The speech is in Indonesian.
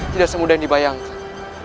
tidak semudah yang dibayangkan